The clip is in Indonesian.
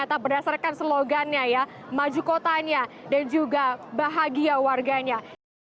atau berdasarkan slogannya ya maju kotanya dan juga bahagia warganya